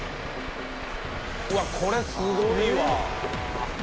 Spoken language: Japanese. うわっこれすごいわ。